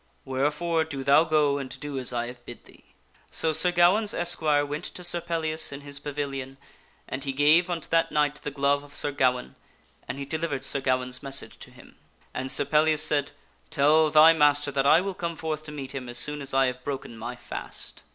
Where fore do thou go and do as I have bid thee." So Sir Gawaine's esquire went to Sir Pellias in his pavilion and he gave unto that knight the glove of Sir Gawaine, and he delivered Sir Gawaine's message to him. And Sir Pellias said, " Tell thy master that I will come forth to meet him as soon as I have broken my fast."